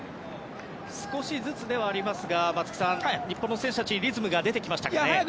少しずつではありますが松木さん、日本の選手たちリズムが出てきましたかね。